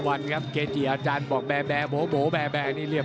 ครับครับครับครับครับครับครับครับครับครับ